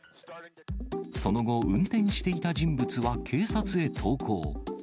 その後、運転していた人物は警察へ投降。